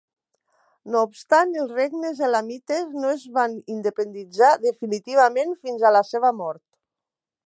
No obstant els regnes elamites no es van independitzar definitivament fins a la seva mort.